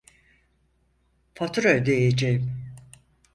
Fatura ödeyeceğim